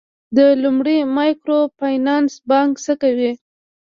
د لومړي مایکرو فینانس بانک څه کوي؟